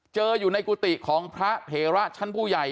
เจออยู่ในกุฏิของพระเถระชั้นผู้ใหญ่